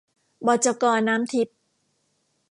บจก.น้ำทิพย์